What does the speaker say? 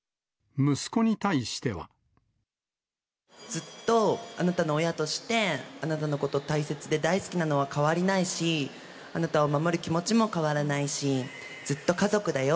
ずっとあなたの親として、あなたのこと大切で、大好きなのは変わりないし、あなたを守る気持ちも変わらないし、ずっと家族だよ。